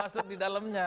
masuk di dalamnya